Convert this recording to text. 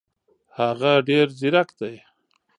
هغه ډېر زیرک دی.